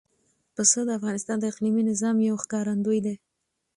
پسه د افغانستان د اقلیمي نظام یو ښکارندوی ده.